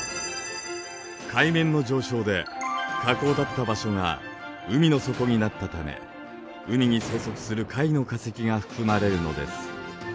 海面の上昇で河口だった場所が海の底になったため海に生息する貝の化石が含まれるのです。